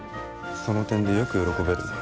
その点でよく喜べるな。